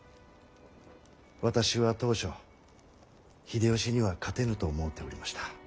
私は当初秀吉には勝てぬと思うておりました。